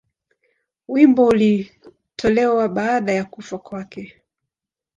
Wimbo ulitolewa baada ya kufa kwake.